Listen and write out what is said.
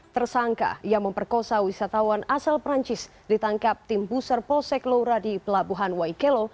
tersangka yang memperkosa wisatawan asal perancis ditangkap tim buser polsek laura di pelabuhan waikelo